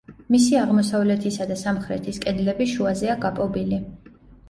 მისი აღმოსავლეთისა და სამხრეთის კედლები შუაზეა გაპობილი.